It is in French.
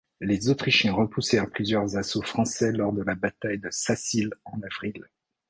Les Autrichiens repoussèrent plusieurs assauts français lors de la bataille de Sacile en avril.